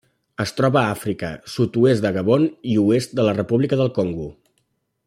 Es troba a Àfrica: sud-oest de Gabon i oest de la República del Congo.